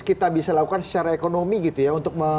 kita bisa lakukan secara ekonomi gitu ya untuk